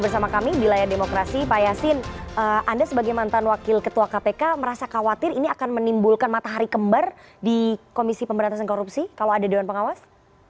pak yassin anda sebagai mantan wakil ketua kpk merasa khawatir ini akan menimbulkan matahari kembar di komisi pemberantasan korupsi kalau ada dewan pengawas